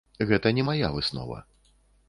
Гэта не мая выснова.